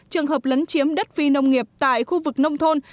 trường hợp lấn chiếm đất phi nông nghiệp tại khu vực nông thôn